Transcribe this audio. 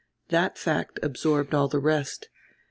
That fact absorbed all the rest.